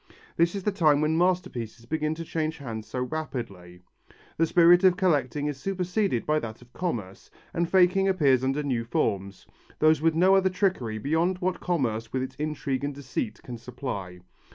This is the time when masterpieces begin to change hands so rapidly. The spirit of collecting is superceded by that of commerce, and faking appears under new forms, those with no other trickery beyond what commerce with its intrigue and deceit can supply.